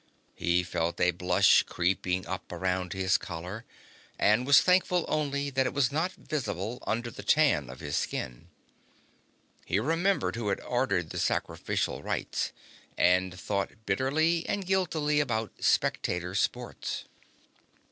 He felt a blush creeping up around his collar, and was thankful only that it was not visible under the tan of his skin. He remembered who had ordered the sacrificial rites, and thought bitterly and guiltily about spectator sports.